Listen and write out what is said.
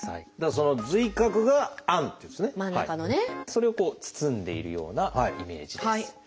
それをこう包んでいるようなイメージです。